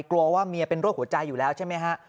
กลัวว่าเมียเป็นโรคหัวใจอยู่แล้วใช่ไหมฮะ